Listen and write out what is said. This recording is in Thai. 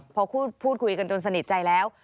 พอพูดคุยกันจนสนิทใจแล้ว